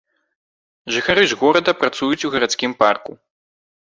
Жыхары ж горада працуюць у гарадскім парку.